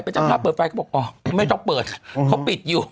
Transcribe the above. เป็นเจ้าภาพเปิดไฟเขาบอกอ๋อไม่ต้องเปิดเขาปิดอยู่